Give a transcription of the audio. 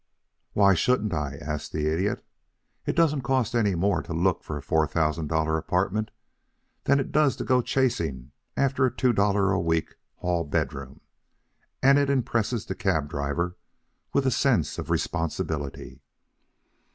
"Why shouldn't I?" asked the Idiot. "It doesn't cost any more to look for a four thousand dollar apartment than it does to go chasing after a two dollar a week hall bedroom, and it impresses the cab driver with a sense of responsibility.